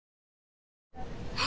あ！